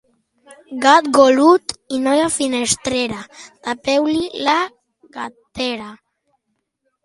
Gat golut i noia finestrera, tapeu-li la gatera.